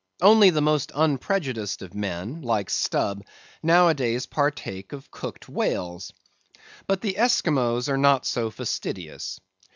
Only the most unprejudiced of men like Stubb, nowadays partake of cooked whales; but the Esquimaux are not so fastidious.